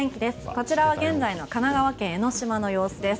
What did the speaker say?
こちらは現在の神奈川県・江の島の様子です。